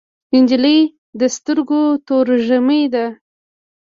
نجلۍ د سترګو تروږمۍ ده.